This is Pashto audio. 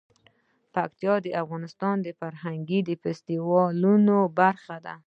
پکتیکا د افغانستان د فرهنګي فستیوالونو برخه ده.